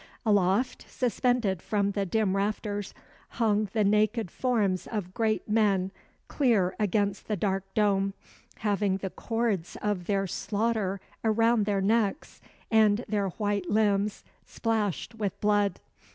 Aloft, suspended from the dim rafters, hung the naked forms of great men clear against the dark dome, having the cords of their slaughter around their necks and their white limbs splashed with blood.